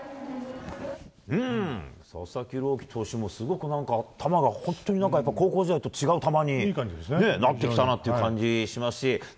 佐々木朗希投手も本当に高校時代と違う球になってきたなという感じがしますし